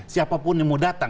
siapapun yang mau datang